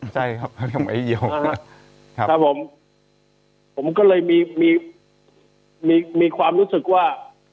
ใช่ครับเขาเรียกไอ้เหี่ยวครับครับผมผมก็เลยมีมีความรู้สึกว่า